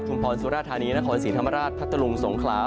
ถุงพรสุราธานีนครสีธรรมราชพัตตรุงสงคลา